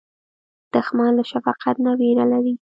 دښمن له شفقت نه وېره لري